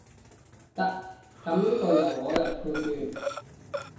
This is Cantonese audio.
得，噉呢個由我來判斷